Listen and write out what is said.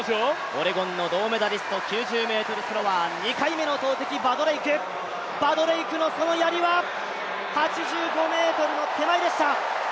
オレゴンの銅メダリスト、９０ｍスローワー、２回目の投てき、バドレイクのそのやりは８５ｍの手前でした。